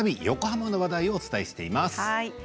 横浜の話題をお伝えしています。